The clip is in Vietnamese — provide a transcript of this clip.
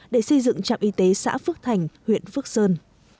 để xây dựng trạm y tế xã phước thành huyện phước sơn